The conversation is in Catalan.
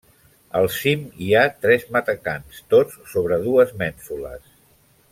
Al cim, hi ha tres matacans, tots sobre dues mènsules.